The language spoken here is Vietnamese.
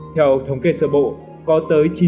theo thống kê sơ bộ có tới chín mươi năm